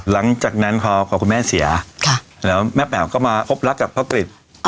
หลังจากนั้นพอคุณแม่เสียแล้วแม่แป๋วก็มาพบรักกับพ่อกริจ